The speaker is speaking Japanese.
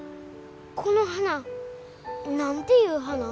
この花何ていう花？